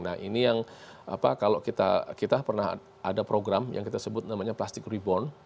nah ini yang kalau kita pernah ada program yang kita sebut namanya plastik reborn